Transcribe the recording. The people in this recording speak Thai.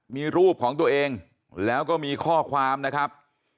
มีรูปของตัวเองแล้วก็มีข้อความนะครับ